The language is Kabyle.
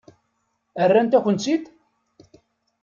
Rrant-akent-tt-id?